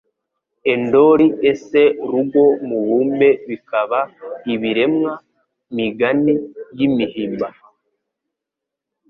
Endori Ese rugo mubumbe bikaba ibiremwa migani y'imihimbano